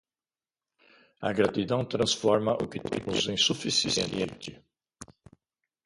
A gratidão transforma o que temos em suficiente.